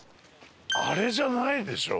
あれじゃないでしょ？